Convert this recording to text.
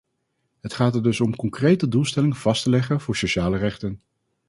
Het gaat er dus om concrete doelstellingen vast te leggen voor sociale rechten.